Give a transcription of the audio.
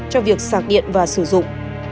cho việc sạc điện và sử dụng